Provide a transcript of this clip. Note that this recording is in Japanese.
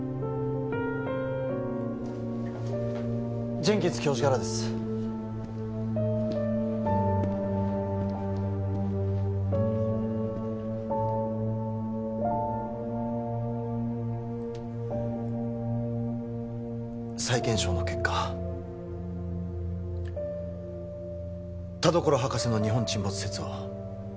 ジェンキンス教授からです「再検証の結果」「田所博士の日本沈没説を」